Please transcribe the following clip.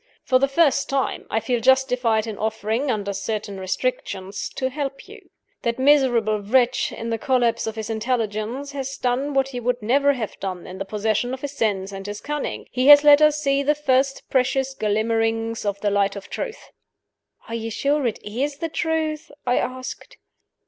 For the first time, I feel justified in offering (under certain restrictions) to help you. That miserable wretch, in the collapse of his intelligence, has done what he would never have done in the possession of his sense and his cunning he has let us see the first precious glimmerings of the light of truth." "Are you sure it is the truth?" I asked.